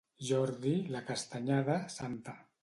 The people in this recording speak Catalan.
Jordi, la Castanyada, Santa.